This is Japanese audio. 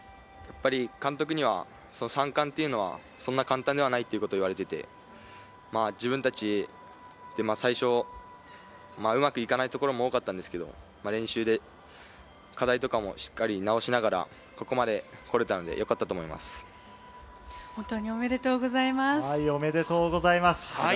監督には３冠というのは、そんなに簡単ではないと言われていて、自分たち、最初うまくいかないところも多かったんですけど、練習で課題とかもしっかり直しながら、ここまで来れたのでよかっ本当におめでとうございます。